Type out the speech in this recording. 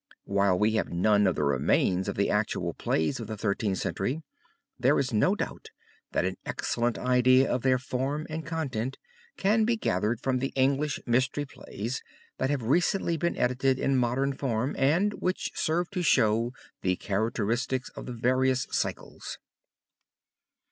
While we have none of the remains of the actual plays of the Thirteenth Century, there is no doubt that an excellent idea of their form and content can be gathered from the English mystery plays, that have recently been edited in modern form and which serve to show the characteristics of the various cycles.